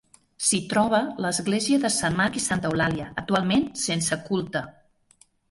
S'hi troba l'església de Sant Marc i Santa Eulàlia, actualment sense culte.